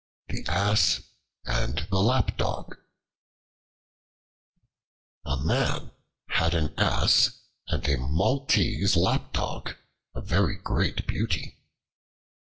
The Ass and the Lapdog A MAN had an Ass, and a Maltese Lapdog, a very great beauty.